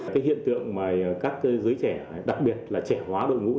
cái hiện tượng mà các giới trẻ đặc biệt là trẻ hóa đội ngũ